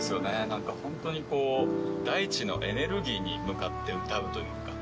なんかほんとにこう大地のエネルギーに向かって歌うというか。